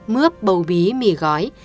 mướp bầu bí mì gói